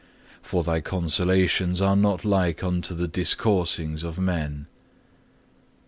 For Thy consolations are not like unto the discoursings of men. 2.